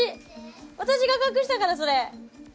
私が隠したからそれ。